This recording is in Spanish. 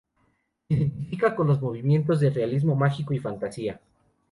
Se identifica con los movimientos de realismo mágico y fantasía.